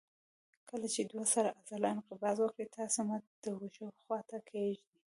کله چې دوه سره عضله انقباض وکړي تاسې مټ د اوږې خواته کږېږي.